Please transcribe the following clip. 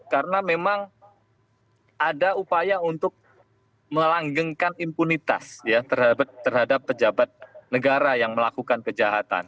karena memang ada upaya untuk melanggengkan impunitas ya terhadap pejabat negara yang melakukan kejahatan